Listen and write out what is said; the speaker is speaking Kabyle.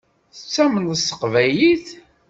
Tettamneḍ s teqbaylit.